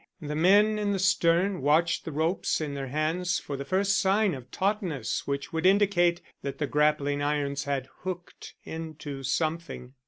The men in the stern watched the ropes in their hands for the first sign of tautness which would indicate that the grappling irons had hooked in to something.